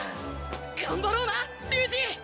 頑張ろうな龍二！